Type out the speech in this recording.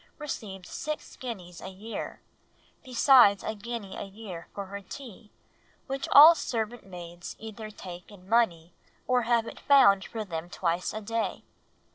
[received] six guineas a year, besides a guinea a year for her tea, which all servant maids either take in money, or have it found for them twice a day.